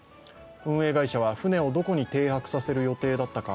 運営開始は船をどこに停泊させる予定だったか